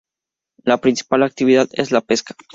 La principal actividad es la pesca.